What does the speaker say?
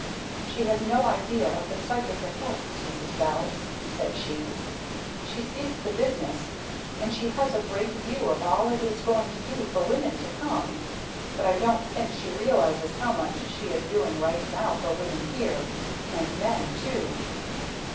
"She has no idea of the psychic effects, Mrs. Bell," said she. "She sees the business, and she has a great view of all it is going to do for women to come; but I don't think she realizes how much she is doing right now for women here and men, too.